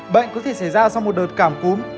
bệnh có thể xảy ra sau một đợt cảm cúm